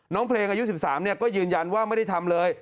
น้องเพลงอายุ๑๓ก็ยืนยันว่าไม่ได้ทำเลย